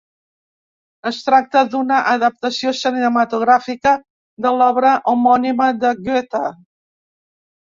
Es tracta d'una adaptació cinematogràfica de l'obra homònima de Goethe.